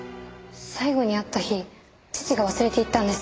最後に会った日父が忘れていったんです。